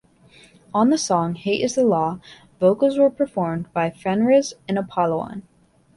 On the song "Hate is the Law", vocals were performed by Fenriz and Apollyon.